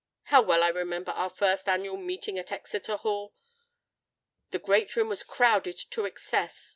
How well I remember our first annual meeting at Exeter Hall! The great room was crowded to excess.